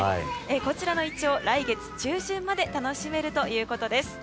こちらのイチョウ、来月中旬まで楽しめるということです。